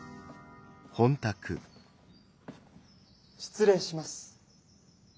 失礼します。